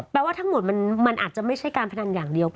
ว่าทั้งหมดมันอาจจะไม่ใช่การพนันอย่างเดียว